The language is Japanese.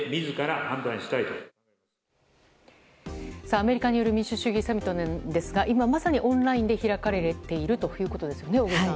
アメリカによる民主主義サミットですが今まさにオンラインで開かれているということですね小栗さん。